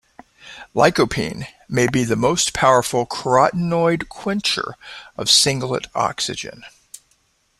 Lycopene may be the most powerful carotenoid quencher of singlet oxygen.